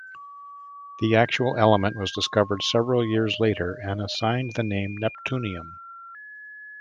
The actual element was discovered several years later, and assigned the name neptunium.